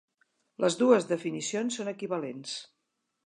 Les dues definicions són equivalents.